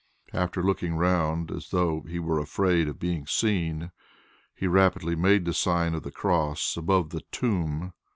After looking round, as though he were afraid of being seen, he rapidly made the sign of the cross above the "tomb."